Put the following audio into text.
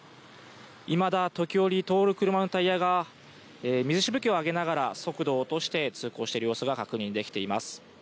いまだ時折、通る車のタイヤが水しぶきを上げながら速度を落として通行している様子が確認できています。